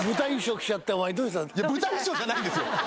舞台衣装じゃないんですよ。